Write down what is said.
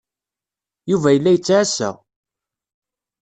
Yuba yella yettɛassa.